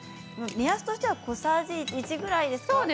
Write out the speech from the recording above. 目安としては小さじ１ぐらいですかね。